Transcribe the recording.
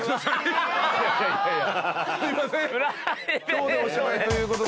今日でおしまいということで。